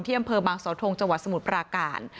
อำเภอบางสาวทงจังหวัดสมุทรปราการ